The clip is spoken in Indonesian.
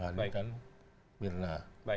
hani dan mirna